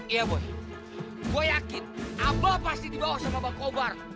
iya boy gue yakin apel pasti dibawa sama bang kobar